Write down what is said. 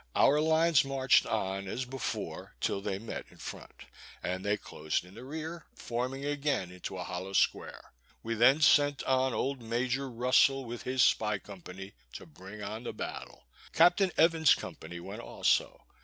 Our lines marched on, as before, till they met in front, and then closed in the rear, forming again into a hollow square. We then sent on old Major Russell, with his spy company, to bring on the battle; Capt. Evans' company went also.